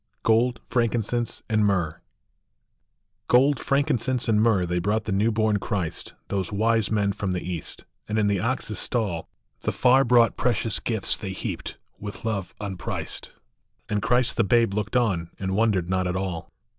21? GOLD, FRANKINCENSE, AND MYRRH. OLD, frankincense, and myrrh they brought the new born Christ, Those wise men from the East, and in the ox s stall Phe far brought precious gifts they heaped, with love unpriced ; And Christ the babe looked on, and wondered not at all.